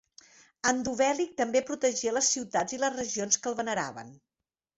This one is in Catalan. Endovèlic també protegia les ciutats i les regions que el veneraven.